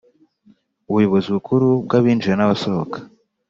ubuyobozi bukuru bw’abinjira n’abasohoka